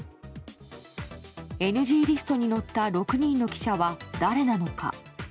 ＮＧリストに載った６人の記者は、誰なのか。